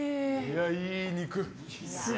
いい肉！